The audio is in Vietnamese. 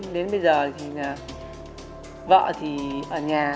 đến bây giờ thì là vợ thì ở nhà